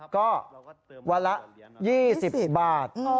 ก็เวลา๒๐บาท